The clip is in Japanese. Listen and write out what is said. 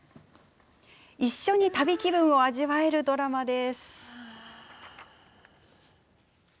一緒に旅気分を味わえるドラマです。